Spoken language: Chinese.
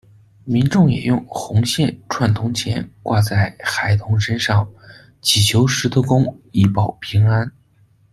民众也用红线串铜钱挂在孩童身上，祈求石头公以保平安。